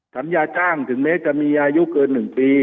สัญญาจ้างถึงเนี้ยจะมีอายุเกินหนึ่งปี